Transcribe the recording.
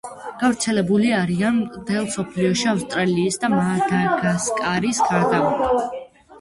გავრცელებული არიან მთელ მსოფლიოში, ავსტრალიისა და მადაგასკარის გარდა.